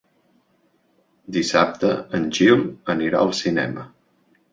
Dissabte en Gil anirà al cinema.